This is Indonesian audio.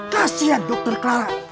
kasian dr clara